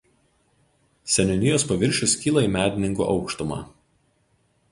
Seniūnijos paviršius kyla į Medininkų aukštumą.